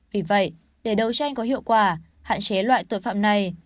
vì vậy để đấu tranh có hiệu quả hạn chế loại tội phạm này